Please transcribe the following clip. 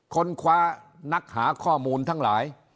ค้นคว้านักหาข้อมูลทั้งหลาย